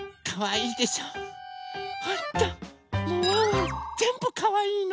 ほんとぜんぶかわいいの。